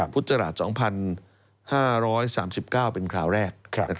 พุทธราช๒๕๓๙เป็นคราวแรก